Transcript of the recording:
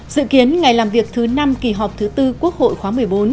dự kiến ngày làm việc thứ năm kỳ họp thứ tư quốc hội khóa một mươi bốn